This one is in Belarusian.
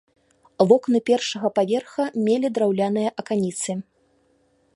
Вокны першага паверха мелі драўляныя аканіцы.